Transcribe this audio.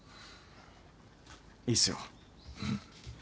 いいっすよ。